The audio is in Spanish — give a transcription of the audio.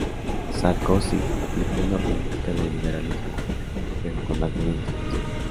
Sarkozy aplicó una política de liberalismo, pero con alguna intervención.